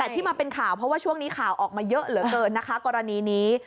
ที่มาเป็นข่าวเพราะว่าช่วงนี้ข่าวออกมาเยอะเหลือเกินนะคะกรณีนี้